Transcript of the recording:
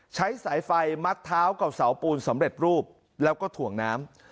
ใช้สายไฟมัดเท้ากับเสาปูนสำเร็จรูปแล้วก็ถ่วงน้ำ